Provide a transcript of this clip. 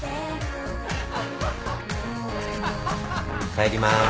帰りまーす。